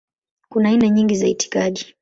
Kuna aina nyingi za itikadi.